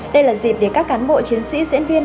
đây là dịp để các cán bộ chiến sĩ diễn viên